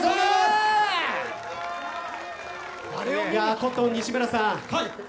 コットン西村さん